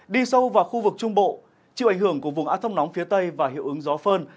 đi sâu vào khu vực trung bộ chịu ảnh hưởng của vùng át thấp nóng phía tây và hiệu ứng gió phơn